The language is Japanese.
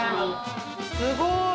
すごい！